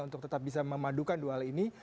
untuk tetap bisa memadukan dua hal ini